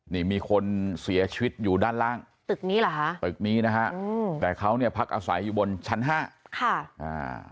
นี่มีคนเสียชีวิตอยู่ด้านล่างตึกนี้เหรอฮะตึกนี้นะฮะอืมแต่เขาเนี่ยพักอาศัยอยู่บนชั้นห้าค่ะอ่า